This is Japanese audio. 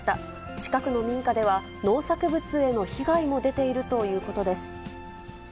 近くの民家では、農作物への被害も出ているということです。